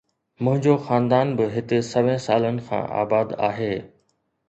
منهنجو خاندان به هتي سوين سالن کان آباد آهي